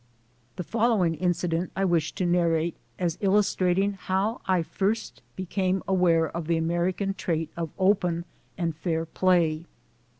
The following incident I wish to narrate as illus trating how I first became aware of the American trait of open and fair play.